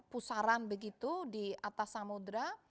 pusaran begitu di atas samudera